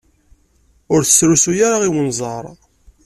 Ur t-srusuy ara i unẓar!